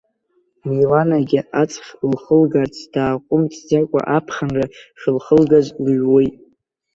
Миланагьы аҵх лхылгарц дааҟәымҵӡакәа аԥхынра шылхылгаз лыҩуеит.